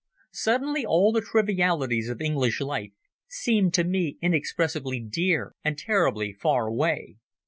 Suddenly all the trivialities of English life seemed to me inexpressibly dear and terribly far away.